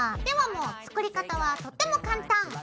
ではもう作り方はとても簡単。